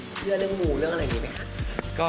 เชื่อเรื่องมูเรื่องอะไรอย่างนี้ไหมคะ